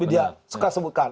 dia suka sebutkan